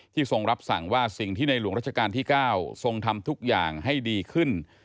ทรงรับสั่งว่าสิ่งที่ในหลวงรัชกาลที่๙ทรงทำทุกอย่างให้ดีขึ้น